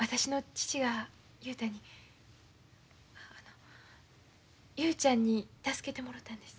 父が雄太にあの雄ちゃんに助けてもろたんです。